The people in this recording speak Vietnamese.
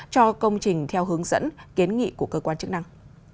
cho công trình theo hướng dẫn kiến nghị của cơ quan chức năng